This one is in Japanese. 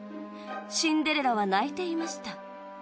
シンデレラは泣いていました。